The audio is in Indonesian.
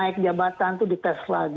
kita akan jeda sejenak